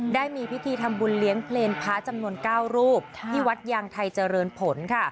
ได้มีพิธีทำบุญเลี้ยงเพลงพระจำนวน๙รูปที่วัดยางไทยเจริญผลค่ะ